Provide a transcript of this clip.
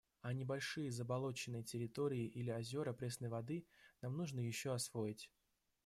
А небольшие заболоченные территории или озера пресной воды нам нужно еще освоить.